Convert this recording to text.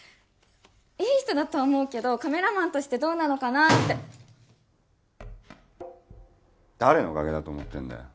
いい人だとは思うけどカメラマンとしてどうなのかなって誰のおかげだと思ってんだよ